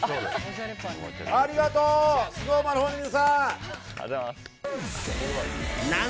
ありがとうＳｎｏｗＭａｎファンの皆さん。